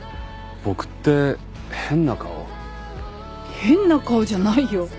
変な顔じゃないよ。